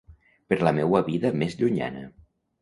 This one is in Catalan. Per la meua vida més llunyana.